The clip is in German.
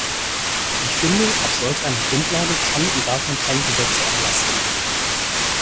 Ich finde, auf solch einer Grundlage kann und darf man keine Gesetze erlassen.